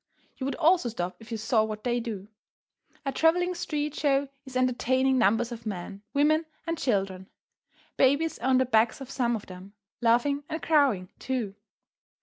You would also stop if you saw what they do. A travelling street show is entertaining numbers of men, women, and children. Babies are on the backs of some of them, laughing and crowing, too.